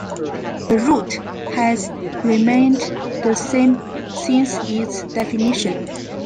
The route has remained the same since its definition.